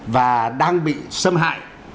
và đang bị xâm hại